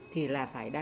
thì là phải đang